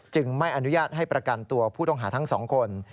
ไม่อนุญาตให้ประกันตัวผู้ต้องหาทั้งสองคน